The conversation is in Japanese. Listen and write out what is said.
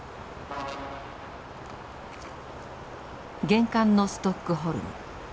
厳寒のストックホルム。